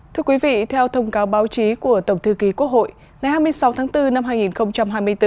thưa quý vị theo thông cáo báo chí của tổng thư ký quốc hội ngày hai mươi sáu tháng bốn năm hai nghìn hai mươi bốn